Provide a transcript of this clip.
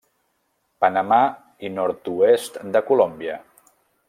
Panamà i nord-oest de Colòmbia.